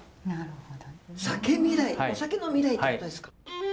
お酒の未来ってことですか。